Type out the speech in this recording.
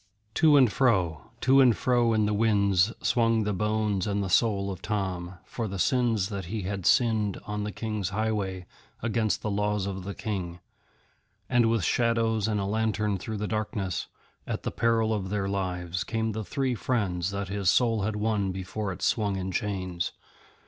To and fro, to and fro in the winds swung the bones and the soul of Tom, for the sins that he had sinned on the King's highway against the laws of the King; and with shadows and a lantern through the darkness, at the peril of their lives, came the three friends that his soul had won before it swung in chains.